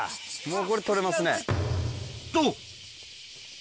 もうこれ取れますね。と！